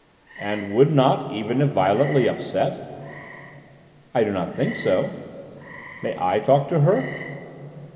"And would not, even if violently upset?" "I do not think so." "May I talk to her?"